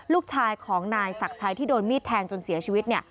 ลูกชายของนายศักดิ์ชัยที่โดนมีดแทงจนเสียชีวิต